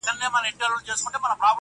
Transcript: زلمي به خاندي په شالمار کي -